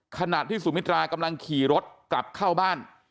ขณะที่สุมิตรากำลังขี่รถกลับเข้าบ้าน